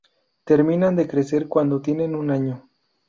Terminan de crecer cuando tienen un año.